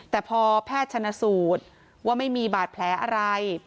แต่พอแพทย์ชนสูตรว่าไม่มีบาดแผลอะไร